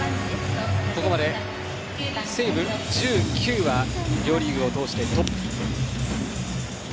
ここまでセーブ１９は両リーグ通してトップ。